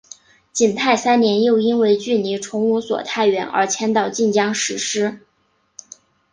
景泰三年又因为距离崇武所太远而迁到晋江石狮。